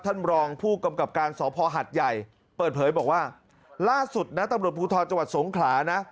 รองผู้กำกับการสพหัดใหญ่เปิดเผยบอกว่าล่าสุดนะตำรวจภูทรจังหวัดสงขลานะ